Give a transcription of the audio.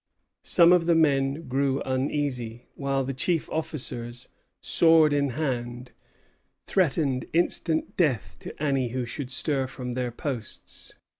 Some of the men grew uneasy; while the chief officers, sword in hand, threatened instant death to any who should stir from their posts.